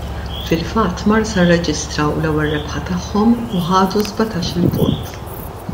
Fil-fatt Marsa rreġistraw l-ewwel rebħa tagħhom u ħadu sbatax-il punt.